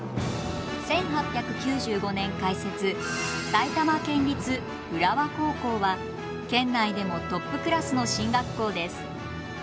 埼玉県立浦和高校は県内でもトップクラスの進学校です。